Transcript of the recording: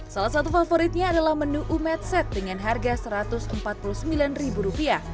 salah satu favoritnya adalah menu umetset dengan harga rp satu ratus empat puluh sembilan